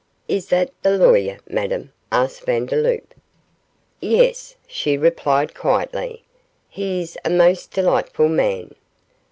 'Is that the lawyer, Madame?' asked Vandeloup. 'Yes,' she replied, quietly, 'he is a most delightful man.